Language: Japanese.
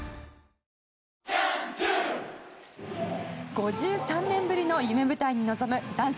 ５３年ぶりの夢舞台に臨む男子